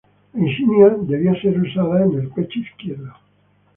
La insignia debía ser usada en el pecho izquierdo.